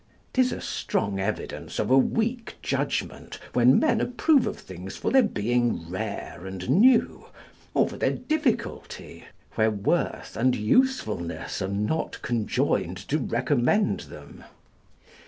'Tis a strong evidence of a weak judgment when men approve of things for their being rare and new, or for their difficulty, where worth and usefulness are not conjoined to recommend them.